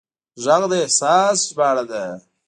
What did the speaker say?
غږ د احساس ژباړه ده